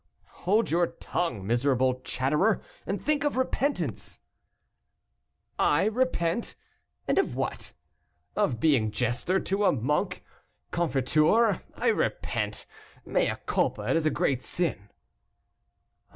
"Hold your tongue, miserable chatterer, and think of repentance." "I repent! And of what? Of being jester to a monk. Confiteor I repent, mea culpa, it is a great sin."